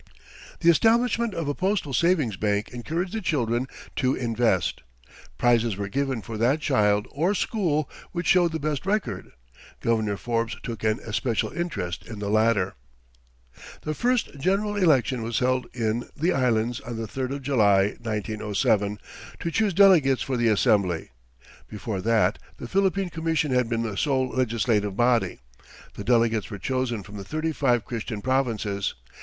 "The establishment of a postal savings bank encouraged the children to invest. Prizes were given for that child or school which showed the best record." (Governor Forbes took an especial interest in the latter.) The first general election was held in the Islands on the third of July, 1907, to choose delegates for the Assembly. Before that the Philippine Commission had been the sole legislative body. The delegates were chosen from the thirty five Christian provinces.